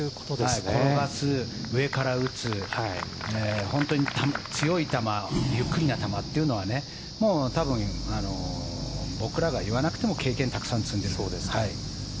転がす、上から打つ、強い球ゆっくりな球というのは多分、僕らが言わなくても経験をたくさん積んでいると思います。